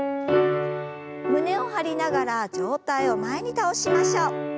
胸を張りながら上体を前に倒しましょう。